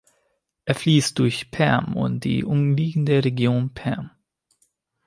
Er fließt durch Perm und die umliegende Region Perm.